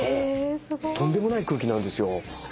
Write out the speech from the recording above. とんでもない空気なんですよ。